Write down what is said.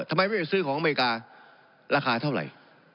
ทำไมไม่ไปซื้อของอเมริการาคาเท่าไหร่